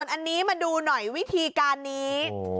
อันนี้มาดูหน่อยวิธีการนี้